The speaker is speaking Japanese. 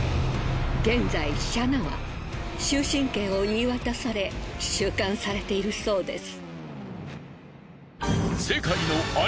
現在シャナは終身刑を言い渡され収監されているそうです。